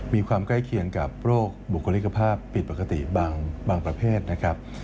มีความใกล้เคียงกับโรคบุคลิกภาพผิดปกติบางประเภทนะครับ